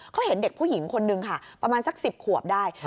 เขาเห็นเด็กผู้หญิงคนนึงค่ะประมาณสัก๑๐ขวบได้